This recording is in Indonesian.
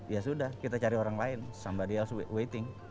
ya sudah kita cari orang lain somebody else waiting